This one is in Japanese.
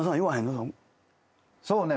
そうね。